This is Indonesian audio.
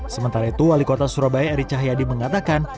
sementara itu wali kota surabaya eri cahyadi mengatakan